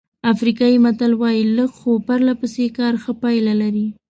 افریقایي متل وایي لږ خو پرله پسې کار ښه پایله لري.